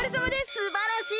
すばらしい！